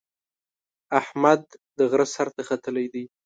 اجمد د غره سر ته ختلی دی.